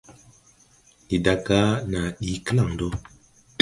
Ndi daaga naa ɗii klaŋdɔ.